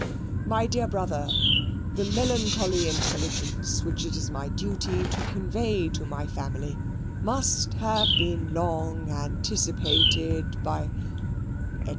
'My dear brother, the melancholy intelligence which it is my duty to convey to my family must have been long anticipated by,'" &c.